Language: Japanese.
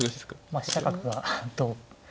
まあ飛車角がどう。